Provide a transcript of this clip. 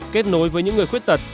hai kết nối với những người khuyết tật